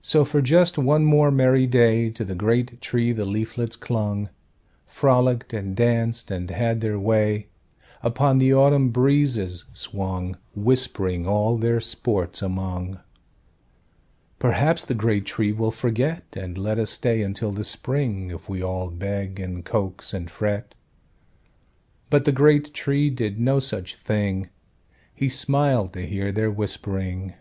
So, for just one more merry day To the great Tree the leaflets clung, Frollicked and danced, and had their way, Upon the autumn breezes swung, Whispering all their sports among— "Perhaps the great Tree will forget, And let us stay until the spring, If we all beg, and coax, and fret." But the great Tree did no such thing; He smiled to hear their whispering.